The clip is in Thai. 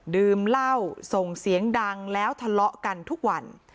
ดื่มเหล้าส่งเสียงดังแล้วทะเลาะกันทุกวัน